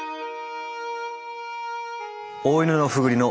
オオイヌノフグリの実。